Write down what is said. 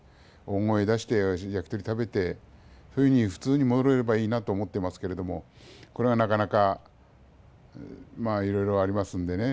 大声出して焼き鳥食べてそういうふうに普通に戻れればいいなと思ってますけれどもこれが、なかなかまあいろいろありますのでね